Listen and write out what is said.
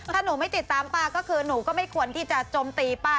ถ้าหนูไม่ติดตามป้าก็คือหนูก็ไม่ควรที่จะจมตีป้า